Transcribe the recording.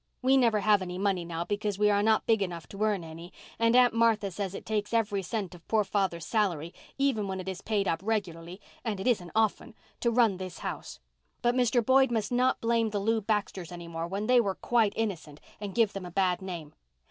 We never have any money now because we are not big enough to earn any, and Aunt Martha says it takes every cent of poor father's salary, even when it is paid up regularly—and it isn't often—to run this house. But Mr. Boyd must not blame the Lew Baxters any more, when they were quite innocent, and give them a bad name.